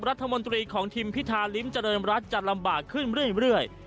รัฐมนตรีของทีมพิธาริมเจริญรัฐจะลำบากขึ้นเรื่อย